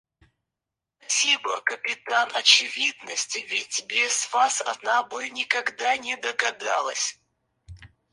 Спасибо, капитан очевидность, ведь без вас она бы никогда не догадалась!